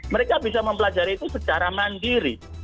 mereka bisa mempelajari itu secara mandiri